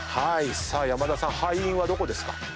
さあ山田さん敗因はどこですか？